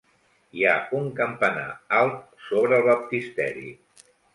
Hi ha un campanar alt sobre el baptisteri.